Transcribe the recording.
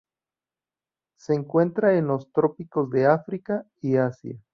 Se encuentra en los trópicos de África y Asia.